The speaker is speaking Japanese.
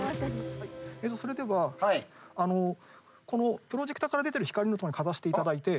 それではプロジェクターから出てる光のとこにかざして頂いて。